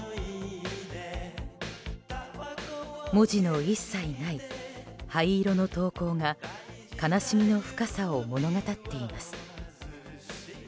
文字の一切ない灰色の投稿が悲しみの深さを物語っています。